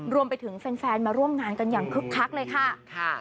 รวมไปถึงแฟนมาร่วมงานกันอย่างคึกคักเลยค่ะ